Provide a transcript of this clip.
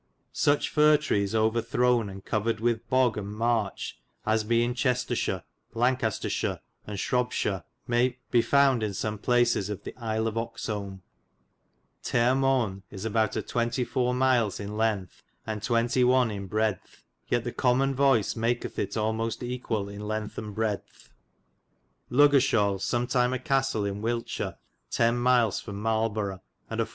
Suche firre trees overthrowne and coverid with bogge and merche as be in Chestershire, Lancastershire and Shrobbe shire be found in some places of the Isle of Oxolme.^ Terre Mone is about a 24. miles in lengthe and 21. in bredthe, yet the comon voice makethe it almoste egale in lengthe and bredthe. LuggershauU sumtyme a castle in Wileshire 10. miles from Marleborow, and a 4.